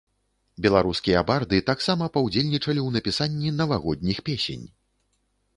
Беларускія барды таксама паўдзельнічалі ў напісанні навагодніх песень!